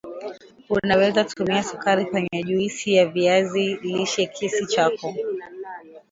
unaweza tumia Sukari kwenye juisi ya viazi lishe kisi chako